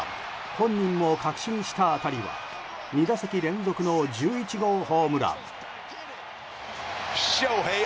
本人も確信した当たりは２打席連続の１１号ホームラン。